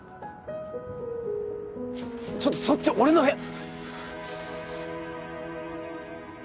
ちょっとそっち俺の部屋！